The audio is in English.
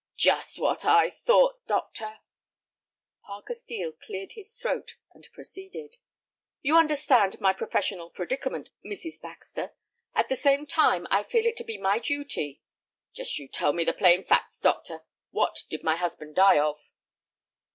"Just what I thought, doctor." Parker Steel cleared his throat and proceeded. "You understand my professional predicament, Mrs. Baxter. At the same time, I feel it to be my duty—" "Just you tell me the plain facts, doctor; what did my husband die of?"